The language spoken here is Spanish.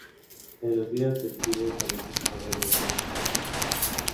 En los días festivos a veces corre dos veces al día.